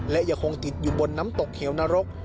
และยังคงติดอยู่บนน้ำตกเหวนรก